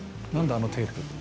あのテープ。